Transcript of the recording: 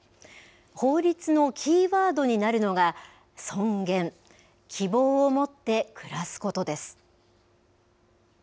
法律のキーワードになるのが、尊厳、希望を持って暮らすことです。